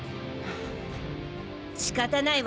仕方ないわね。